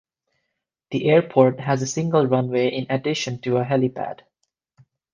The airport has a single runway in addition to a helipad.